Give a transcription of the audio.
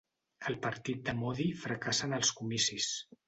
El partit de Modi fracassa en els comicis